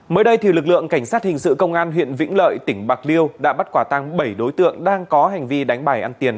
mới đây lực lượng cảnh sát hình sự công an huyện vĩnh lợi tỉnh bạc liêu đã bắt quả tăng bảy đối tượng đang có hành vi đánh bài ăn tiền